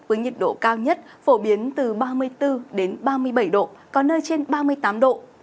với nhiệt độ cao nhất phổ biến từ ba mươi bốn đến ba mươi bảy độ có nơi trên ba mươi tám độ